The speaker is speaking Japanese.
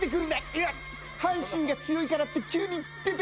阪神が強いからって急に出てくるな！